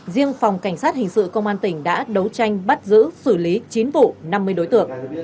riêng phòng cảnh sát hình sự công an tỉnh đã đấu tranh bắt giữ xử lý chín vụ năm mươi đối tượng